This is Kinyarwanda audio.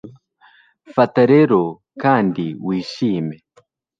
Fata rero kandi wishime